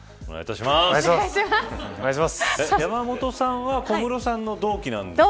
山本さんは小室さんの同期なんですよね。